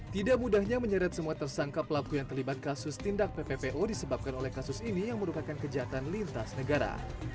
tidak mudahnya menyeret semua tersangka pelaku yang terlibat kasus tindak pppu disebabkan oleh kasus ini yang merupakan kejahatan lintas negara